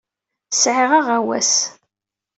Sɛiɣ aɣawas.